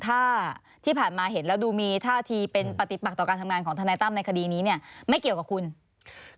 ถ้าที่ผ่านมาเห็นแล้วดูมีท่าทีเป็นปฏิปักต่อการทำงานของทนายตั้มในคดีนี้เนี่ยไม่เกี่ยวกับคุณ